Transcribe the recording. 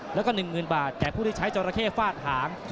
แล้วก็๑๐๐๐บาทแก่ผู้ที่ใช้จราเข้ฟาดหาง